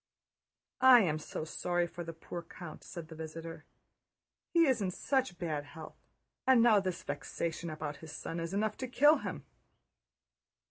"I am so sorry for the poor count," said the visitor. "He is in such bad health, and now this vexation about his son is enough to kill him!"